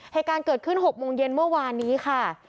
เหตุการณ์เกิดขึ้น๖โมงเย็นเมื่อวานนี้ค่ะ